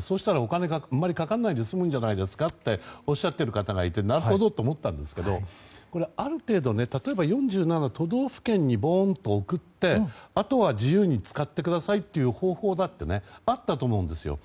そうしたらお金があまりかからないで済むんじゃないですかとおっしゃっている方がいてなるほどと思ったんですけどこれ、ある程度例えば４７都道府県にボーンと送ってあとは自由に使ってくださいという方向だってあったと思うんです。